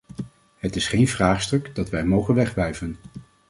Het is geen vraagstuk dat wij mogen wegwuiven.